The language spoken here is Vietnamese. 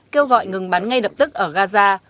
kêu gọi ngừng bắn ngay lập tức ở gaza